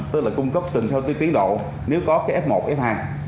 tức là cung cấp từng theo cái tiến độ nếu có cái f một f hai